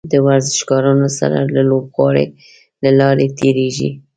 د ورزشکارانو سره د لوبغالي له لارې تیریږي.